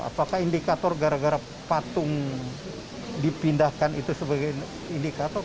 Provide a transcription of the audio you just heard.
apakah indikator gara gara patung dipindahkan itu sebagai indikator